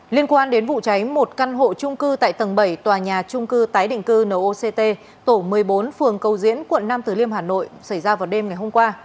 liên quan đến vụ cháy một căn hộ trung cư tại tầng bảy tòa nhà trung cư tái định cư noct tổ một mươi bốn phường cầu diễn quận năm từ liêm hà nội xảy ra vào đêm ngày hôm qua